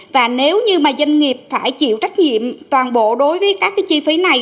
và nếu như doanh nghiệp phải chịu trách nhiệm toàn bộ đối với các chi phí này